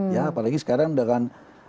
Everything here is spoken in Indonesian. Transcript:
ya apalagi sekarang dengan